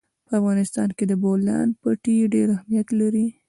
په افغانستان کې د بولان پټي ډېر اهمیت لري.